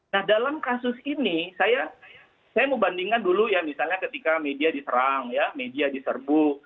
nah dalam kasus ini saya mau bandingkan dulu ya misalnya ketika media diserang ya media diserbu